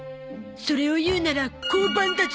それを言うなら「こうバン」だゾ。